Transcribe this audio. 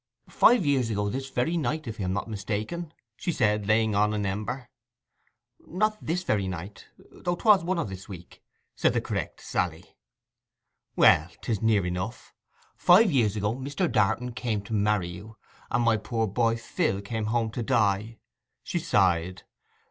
'Five years ago this very night, if I am not mistaken—' she said, laying on an ember. 'Not this very night—though 'twas one night this week,' said the correct Sally. 'Well, 'tis near enough. Five years ago Mr. Darton came to marry you, and my poor boy Phil came home to die.' She sighed.